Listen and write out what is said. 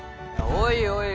おい